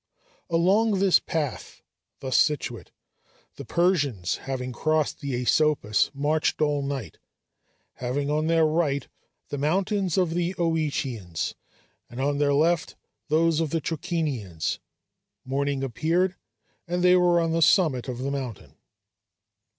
Along this path, thus situate, the Persians, having crossed the Asopus, marched all night, having on their right the mountains of the Oetæans, and on their left those of the Trachinians; morning appeared, and they were on the summit of the mountain.